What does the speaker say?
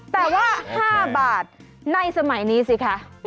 แต่ว่า๕บาทในสมัยนี้ไสิค่ะโอเค